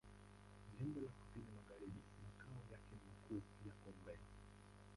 Jimbo la Kusini Magharibi Makao yake makuu yako Mbeya.